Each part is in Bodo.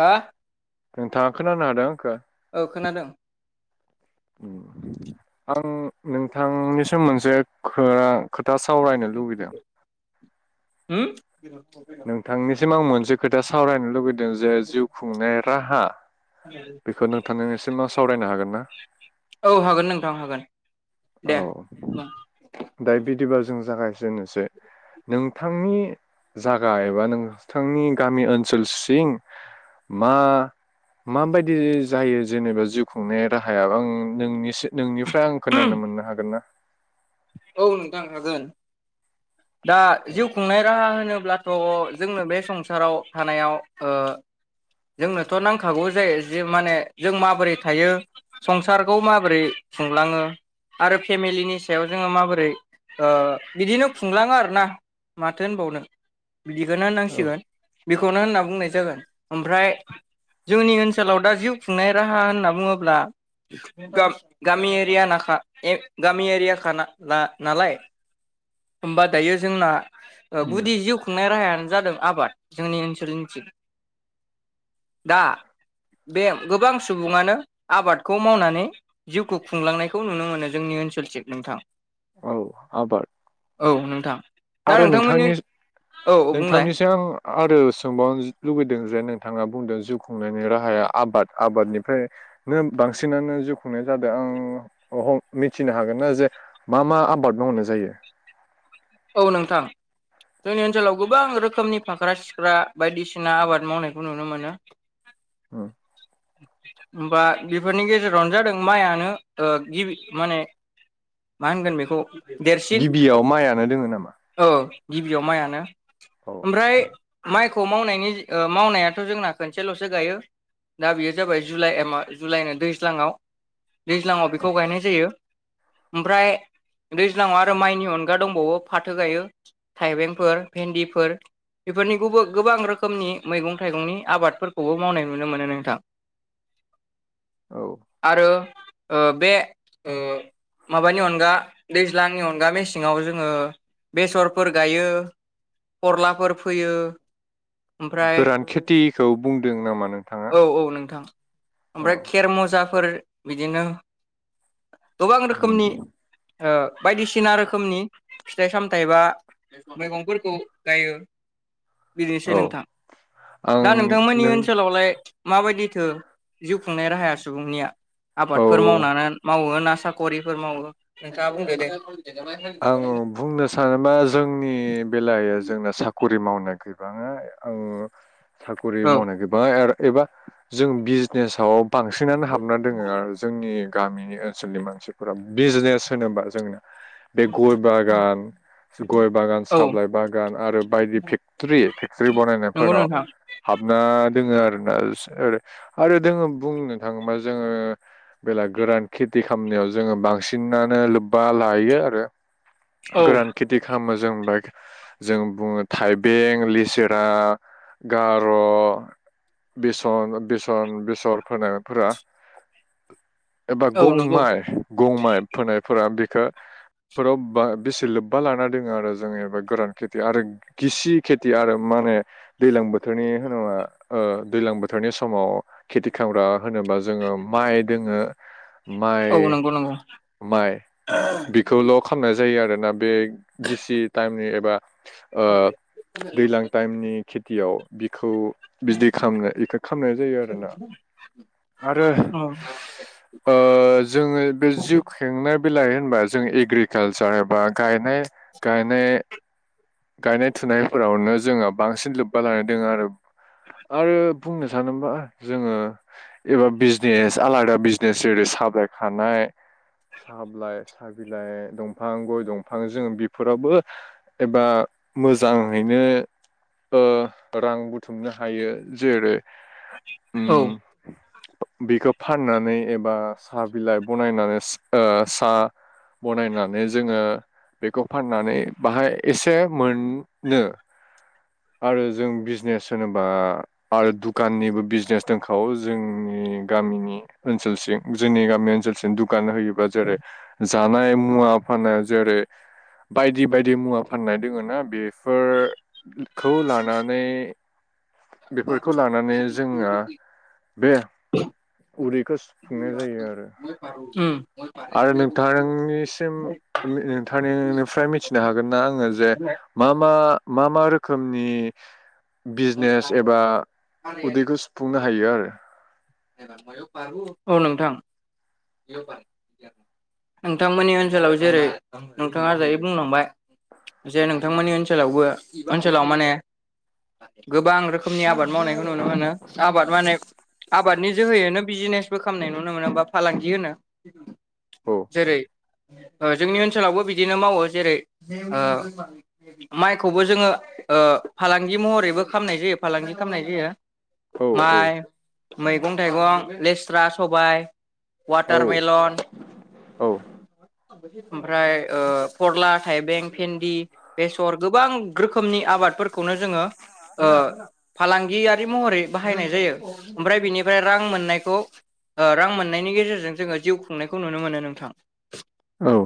हा नोंथाङा खोनानो हादों आखो? औ खोनादों आं नोंथांनिसिम मोनसे [unintelligible] खोथा सावरायनो लुुबैदों होम [inaudible] सिम आं मोनसे खोथा सावरायनो लुुबैद दों जे जिउ खुंनाय राहा बेखौ नोंथांनिसिम सावरायनो हागोन ना? औ हागोन नोंथां हागोन औ दे बुं। दा बिदिब्लाा जों जागायजेननोसै नों थांनि जागा एबा नोंथांनि गामि ओनसोल सिं मा-माबायदि जायो जेनेबा जिउ खुंनाय राहाया आं नोंनिसि नोंनिफ्राय आं खोनानो मोन नो हागोन ना औ नोंथां हागोन। दा जिउ खुंनाय राहा होनो ब्लाथ' जोंनो बे संसाराव थानायाव ओ जोंनोथ' नांखागौ जायो जे माने जों माबोरै थायो संसारखौ माबोरै खुंलाङो आरो फेमिलिनि सायाव जोङो माबोरै ओ बिदिनो खुंलाङो आरोना माथो होनबावनो। बिदिखौनो औ होननांसिगोन। बेखौनो होनना बुंनाय जागोन। ओमफ्राय जोंनि ओनसोलाव दा जिउ खुंनाय राहा होनना बुङोब्ला, गा-गामि एरिया माखा ए- गामि एरिया खा ना-ना-नालाय होमबा दायो जोंना ओ उम गुदि जिउ खुं नाय राहायानो जादों आबाद जोंनि ओनसोलनि थिं [inaudible] दा बे गोबां सुबुङानो आबादखौ मावनानै जिउखौ खुंलांनायखौ नुनो मोनो जोंनि ओनसोलथिं नोंथां। औ आबाद औ नोंथां [inaudible] दा आरो नोंथांमोननि नोंथांनि औ [inaudible] बुंलाय नोंथांनिसिम आं आरो सोंबावनो लुबैदों जे नों नोंथाङा बुंदों जिउ खुंनायनि राहाया आबाद आबादनिफ्रायनो बांसिनानो जिउ खुंनाय जादों आं मिथिनो हागोन ना जे मा मा आबाद मावनाय जायो? औ नोंथां जोंनि ओनसोलाव गोबां रोखोमनि फाख्रा सिख्रा बायदिसिना आबाद मावनायखौ नुनो मोनो। उम होमबा बेफोरनि गेजेरावनो जादों माइआनो ओ गिबि माने, मा होनगोन बेखौ? देरसिन गिबियाव माइयानो दोङो नामा? औ गिबियाव माइयानो। औ ओमफ्राय माइखौ मावनायनि ओ मावनायाथ' जोंना खनसेल'सो गायो दा बेयो जाबाय जुलाइ मा- जुलाइनो दैज्लाङाव दैज्लाङाव बेखौ गायनाय जायो। ओमफ्राय, दैज्लाङाव आरो माइनि अनगा दंबावो फाथो गायो थाइबेंफोर भेन्दिफोर बेफोरनि गुब- गोबां रोखोमनि मैगं थाइगंनि आबादफोरखौबो मावनाय नुनो मोनो नों थां औ [inaudible] आरो ओ बे ओ माबानि अनगा दैज्लांनि अनगा मेसेङाव जोङो बेसरफोर गायो खरलाफोर फोयो। ओमफ्राय गोरान खेतिखौ बुंदों नामा नोंथाङा? औ औ नोंथां। औ ओमफ्राय खेर मुजा फोर बिदिनो गोबां उम रोखोमनि ओ बायदिसिना रोखोमनि फिथाइ सामथायाइ बा मैगंफोरखौ गायो। बिदिनोसै औ नोंथां। आं दा नोंथांमोननि नों ओनसोलावलाय माबायदिथो जिउ खुंनाय राहाया सुबुंनिया? आबादफोर औ मावनानै मावो ना साकरिफोर मावो नोंथाङा बुंदो दे। आङो बुंनो सानाबा जोंनि बेलायाव जोंना साक रि मावनाय गैबाङा औ साकरि औ मावनाय [unintelligible] एबा जों बिजनेसाव बांसिनानो हाबना दोङो आरो जोंनि गामिनि ओनसोलनि मानसिफोरा बिजनेस होनोबा जोंनो बे गय बागान गय बागान औ साबलाइ बागान आरो बायदि फेक्टरि फेक्टरि नंगौ बानायनायफोरनाव नोंथां हाबना दोङो आरो ओ आरो जोङो बुंनो थाङोबा जोङो बेला गोरान खेथि खालामनायाव जोङो बांसिनानो लोब्बा लायो आरो औ गोरान खेथि खालाम [unintelligible] जों जों बुङो थाइबें, लिसेरा, गार' बेसन बेसन बेसर फुनायफोरा एबा औ गं नंगौ माइ गं माइ फोनायफोरा बे खो फोराव बा बेसे लोब्बा लाना दोङो आरो [unintelligible] गोरान खेथि आरो गिसि खेथि आरो माने दैलां बोथोरनि होनोबा ओ दैलां बोथोरनि समाव खेथि खामग्रा होनोबा जोङो माइ दोङो औ माइ नंगौ नंगौ माइ बि [unintelligible] खामनाय जायो आरोना बे गिसि टाइमनि एबा ओ दैलां टाइमनि खेथियाव बिखौ बिदि खामनो इदि खामनाय जायो आरोना आरो औ अ जोङो बे जिउ खेंनाय बिलाय होनबा जों एग्रिकालसार एबा गायनाय गायनाय गायनाय थुनायफोरावनो जोङो बांसिन लोब्बा लानाय दङ आरो आरो बुंनो सानोबा जोङो एबा बिजनेस आलादा बिजनेस जेरै साब्लाय खानाय साब्लाइ साहा बिलाइ दंफां गय दंफां जों बेफोरावबो एबा मोजाङैनो अ रां बुथुमनो हायो जेरै औ उम बेखौ फाननानै एबा साहा बिलाइ बनायनानै ओ सा बनायनानै जोङो बेखौ फाननानै बाहाय एसे मोनो आरो जों बिजनेस होनोबा आरो दुकाननिबो बिजनेस दंखावो जोंनि गामिनि ओनसोलसिम जोंनि गामि ओनसोलसिम दुखान होयोबा जेरै जानाय मुवा फाननाय जेरै बायदि बायदि मुवा फाननाय दोङो ना बे फोर खौ लानानै बेफोरखौ लानानै जोङो बे उदैखौ सुफुंनाय जायो आरो। उम आरो नोंथांनिसिम नोंथांनिफ्राय मिथिनो हागोन ना आङो जे मा मा मा मा रोखोमनि बिजनेस एबा उदैखौ सुफुंनो हायो आरो? औ नोंथां नोंथांमोननि ओनसोलाव जेरै नोंथाङा दायो बुंलांबाय जे नोंथांमोननि ओनसोलावबो ओनसोलाव माने गोबां रोखोमनि आबाद मावनायखौ नुनो मोनो आबाद माने आबादनि जोहोयैनो बिजिनेसबो खालामनाय नुनो मोनो बा फालांगि होनो। औ जेरै जोंनि ओनसोलावबो बिदिनो मावो। जेरै ओ माइखौबो जोङो ओ फालांगि महरैबो खामनाय जायो फालांगि खामनाय जायो। औ औ। माइ मैगं थाइगं लेस्रा, सबाय वाटारमेलन औ ओमफ्राय ओ फरला, थाइबें, भेन्दि, बेसर गोबां रोखोमनि आबादफोरखौनो ओ जोङो फालांगियारि महरै बाहायनाय जायो। ओमफ्राय बिनिफ्राय रां मोननायखौ ओ रां मोननायनि गेजेरजों जोङो जिउ खुंनायखौ नुनो मोनो नोंथां।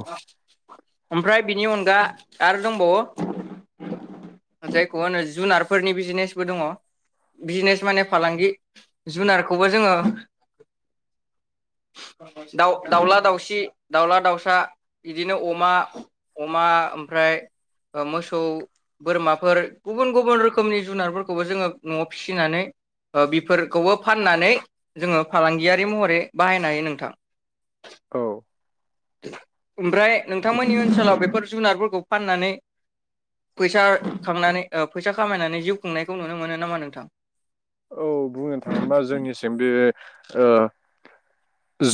औ ओमफ्राय बिनि अनगा आरो दंबावो। जायखौ होनो जुनारफोरनि बिजनेसबो दङ'।बिजनेस माने फालांगि। जुनारखौबो जोङो दाउ दाउला दाउसि दाउला दाउसा बिदिनो अमा अमा ओमफ्राय ओ मोसौ बोरमाफोर गुबुन गुबुन रोखोमनि जुनारफोरखौबो जोङो न'आव फिसिनानै ओ बेफोर खौबो फाननानै जोङो फालांगियारि महरै बाहायनो हायो नोंथां। औ। [inaudible] ओमफ्राय नोंथांमोननि ओनसोलाव बेफोर जुनारफोरखौ फाननानै फैसा खांनानै ओ फैसा खामायनानै जिउ खुंनायखौ नुनो मोनो नामा नोंथां? औ बुंनो थाङोबा जोंनिसिम बे ओ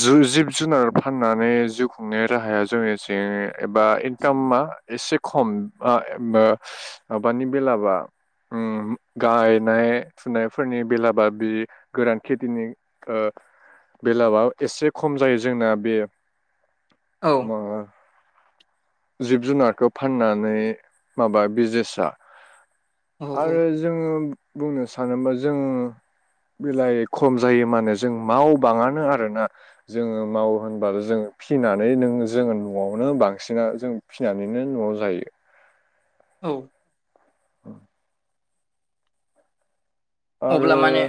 जो जिब जुनार फाननानै जिउ खुंनाय राहाया जोंनिथि बा इनकामा एसे खम [unintelligible] माबानि बेलाबा उम गायनाय फुनाय फोरनि बेलाबा बे गोरान खेथिनि ओ बेलाबा एसे खम जायो जोंना बे औ माबा जिब जुनारखौ फाननानै माबा बिजनेसा औ औ आरो जोङो बुंनो सानोबा जों बेलाइ खम जायो माने जों मावबाङानो आरोना जोङो मावो होनबाल' जों फिनानै नों जोङो न'आवनो बांसिना जों फिसिनानैनो न'आव जायो। औ। औ। अब्ला आरो माने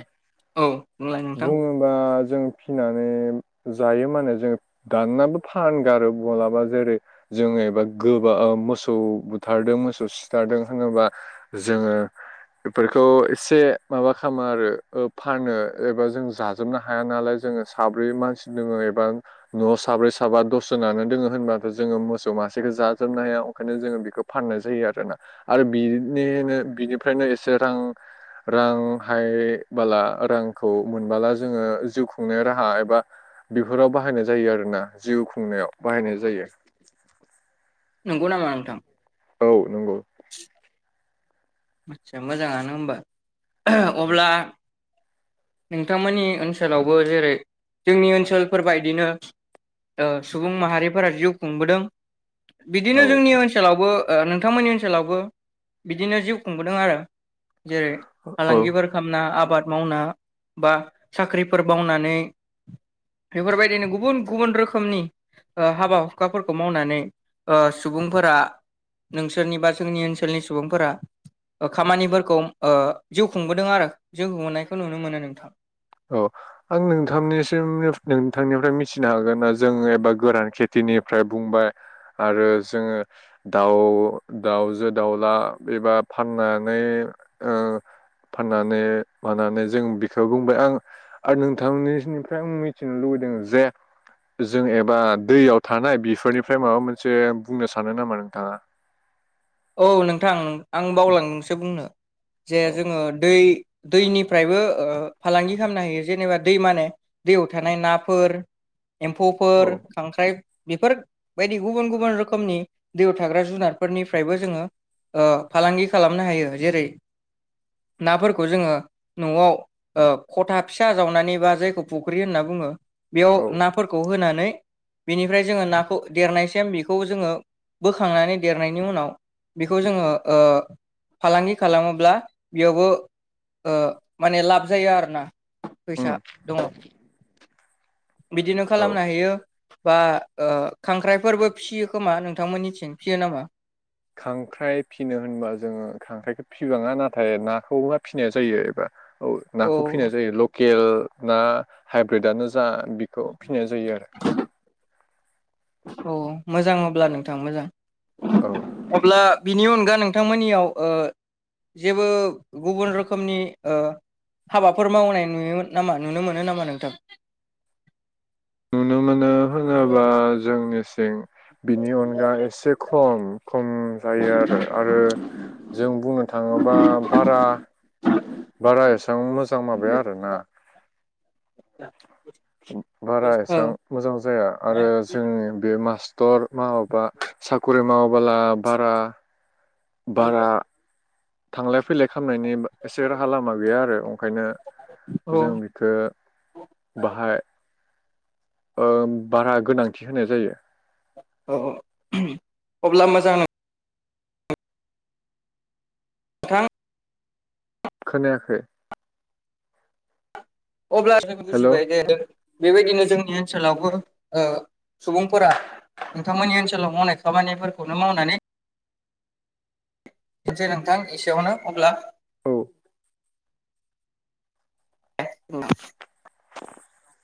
औ। बुंलाय नोंथां बुङोबा जों फिनानै जायो माने जो दाननाबो फानगारो माब्लाबा जेरै जोङो एबा गोबा मोसौ बुथारदों मोसौ सिथारदों होनोबा जोङो बेफोरखौ एसे माबा खामो आरो ओ फानो। एबा जों जाजोबनो हाया नालाय जोङो साब्रै मानसि दोङो एबा न'आव साब्रै साबा दस जोनानो दोङो होनबाथ' जोङो मोसौ मासेखो जाजोबनो हाया ओंखायनो जोङो बेखो फाननाय जायो आरोना आरो बिनिनो बिनिफ्रायनो एसे रां रां हाय बाला रां खौ मोनबोला जोङो जिउ खुंनाय राहा एबा बिफोराव बाहायनाय जायो आरो ना जिउ खुंनायाव बाहायनाय जायो। नंगौ नामा नोंथां? औ नंगौ आस्सा मोजाङानो ओमबा। अब्ला नोंथांमोननि ओनसोलावबो जेरै जोंनि ओनसोलफोरबायदिनो ओ सुबुं माहारिफोरा जिउ खुंबोदों। बिदिनो औ जोंनि ओनसोलावबो नोंथांमोननि ओनसोलावबो बिदिनो जिउ खुंबोदों आरो जेरै औ फालांगिफोर खालामना आबाद मावना बा साख्रिफोर मावनानै बेफोरबायदिनो गुबुन गुबुन रोखोमनि हाबा हुखाफोरखौ मावनानै सुबुंफोरा नोंसोरनि बा जोंनि ओनसोलनि सुबुंफोरा खामानिफोरखौ जिउ खुंबोदों आरो जिउखौोनायखौ नुनो मोनो नोंथां औ आं नोंथांनिसिम नोंथांनिफ्राय मिथिनो हागोन न जों एबा गोरान खेथिनिफ्राय बुंबाय आरो जोङो दाउ दाउजो दाउला एबा फाननानै फाननानै मानानै जों बेखौ बुंबाय आं आरो नोंथांनिनिफ्राय आ मिथिनो लुबैदों जे जों एबा दैयाव थानाय बेफोरनिफ्राय माबा मोनसे बुंनो सानो नामा नोंथाङा? औ नोंथां आं बावलांदोंसो बुंनो जे औ जोङो दै दैनिफ्रायबो फालांगि खालामनो होयो जेनेबा दै माने दैयाव थानाय नाफोर एम्फौफोर औ खांख्राइ बेफोरबायायदि गुबुन गुबुन रोखोमनि दैयाव थाग्रा जुनारफोरनि फ्रायबो जोङो फालांगि खालामनो हायो जेरै नाफोरखौ जोङो न'आव खथा फिसा जावनानै बा जायखौ फुख्रि होनना बुङो बेयाव नाफोरखौ होनानै बेनिफ्राय जोङो नाखौ देरनायसिम बेखौ जोङो बोखांनानै देरनायनि उनाव बेखौ जोङो ओ फालांगि खालामोब्ला बेयावबो ओ माने लाब जायो आरोना फैसा उम दङ बिदिनो औ खालामनो हायो बा ओ खांख्राइफोरबो फियो खोमा नोंथांमोननिथिं फियो नामा? खांख्राइ फिनो होनबा जोङो खांख्राइखौ फिबाङा नाथाय नाखौ बा फिनाय जायो एबा औ नाखौ फिसिनाय जायो लख एल ना हाइब्रिद आनो जा जा बेखौ फिनाय जायो आरो औ मोजां अब्ला नोंथां मोजां औ अब्ला बिनि अनगा नोंथांमोननियाव ओ जेबो गुबुन रोखोमनि ओ हाबाफोर मावनाय नुयोमोन नामा नुनो मोनो नामा नोंथां? नुनो मोनो होनोबा जोंनि सिं बिनि अनगा एसे खम खम जायो आरो आरो जों बुंनो थाङोबा बारा बारा एसे बां मोजां माबाया आरो ना [unintelligible] बारा औ एसां मोजां जाया आरो जोंनि बे मास टर मावाबा साखरि मावाबोला बारा बारा थांलाय फैलाय खामनायनि एसे राहा लामा गैया आरो अंखायनो औ जों बिखो बाहाय ओ बारा गोनांथि होनाय जायो औ अब्ला मोजां नों थां खोनायाखै? अब्ला जों हेल' औ बुजिबाय दे बेबायदिनो जोंनि ओनसोलावबो ओ सुबुंफोरा नोंथांमोननि ओनसोलाव मावनाय खामानिफोरखौनो मावनानै [unintelligible] नोंथां एसेयावनो अब्ला नों उम। [unintelligible]